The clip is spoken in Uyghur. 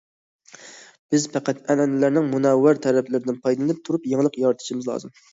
بىز پەقەت ئەنئەنىلەرنىڭ مۇنەۋۋەر تەرەپلىرىدىن پايدىلىنىپ تۇرۇپ، يېڭىلىق يارىتىشىمىز لازىم.